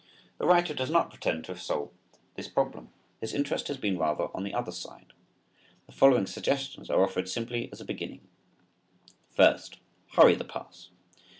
The writer does not pretend to have solved this problem. His interest has been rather on the other side. The following suggestions are offered simply as a beginning: First, "hurry the pass."